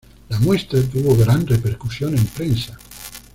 La muestra tuvo gran repercusión en prensa.